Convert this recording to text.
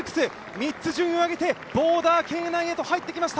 ３つ順位を上げて、ボーダー圏内へと入ってきました。